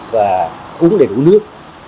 và uống đầy đủ nước